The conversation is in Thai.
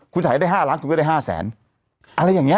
คุณขายได้ห้าร้านคุณก็ได้ห้าแสนอะไรอย่างเงี้ย